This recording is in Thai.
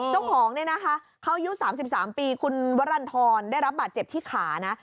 เจ้าของเนี่ยนะคะเขาอายุ๓๓ปีคุณวรรณฑรได้รับบาดเจ็บที่ขานะ